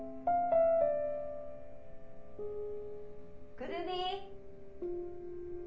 くるみ！